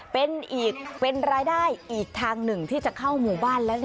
เป็นรายได้อีกทางหนึ่งที่จะเข้ามูบ้าน